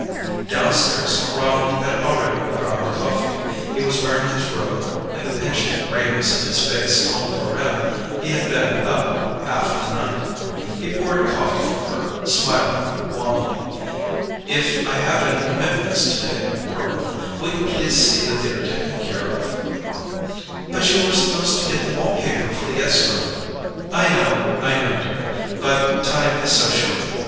Downstairs Ronald had already put on the coffee. He was wearing his robe and the pinched greyness of his face told Corinne he had been up half the night. He poured coffee for her, smiling wanly. "If I have any commitments today, Corinne, will you please see that they are taken care of?" "But you were supposed to get the wallpaper for the guest room...." "I know, I know, dear. But time is so short.